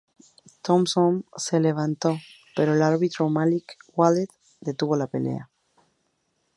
Thompson se levantó, pero el árbitro Malik Waleed detuvo la pelea.